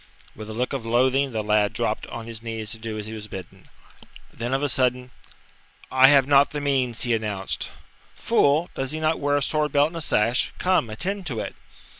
With a look of loathing the lad dropped on his knees to do as he was bidden. Then of a sudden: "I have not the means," he announced. "Fool, does he not wear a sword belt and a sash? Come, attend to it!"